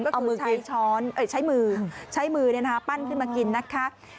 ก็คือใช้ช้อนใช้มือใช้มือปั้นขึ้นมากินนะคะ